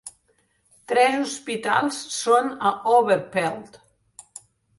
Tres hospitals són a Overpelt.